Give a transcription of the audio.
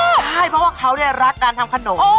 ใช่เพราะว่าเขารักการทำขนม